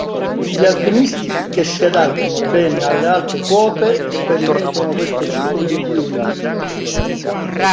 Gli alpinisti che si adattano bene alle alte quote sperimentano questo tipo di diuresi.